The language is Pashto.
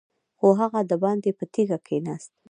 خو هغه دباندې په تيږه کېناست.